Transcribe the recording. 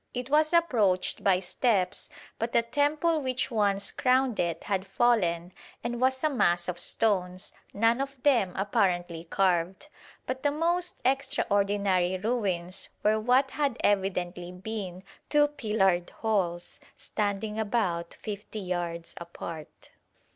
It was approached by steps, but the temple which once crowned it had fallen and was a mass of stones, none of them apparently carved. But the most extraordinary ruins were what had evidently been two pillared halls standing about fifty yards apart.